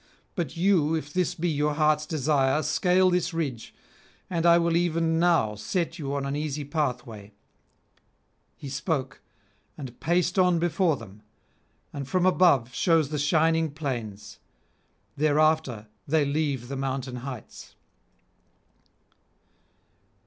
But you, if this be your heart's desire, scale this ridge, and I will even now set you on an easy [677 708]pathway.' He spoke, and paced on before them, and from above shews the shining plains; thereafter they leave the mountain heights.